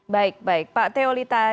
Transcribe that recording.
baik pak teo lita